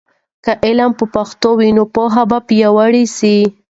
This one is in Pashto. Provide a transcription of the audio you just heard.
که علم په پښتو وي، نو پوهه به پیاوړې سي.